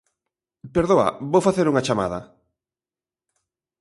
_Perdoa, vou facer unha chamada.